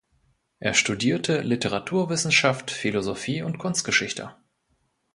Er studierte Literaturwissenschaft, Philosophie und Kunstgeschichte.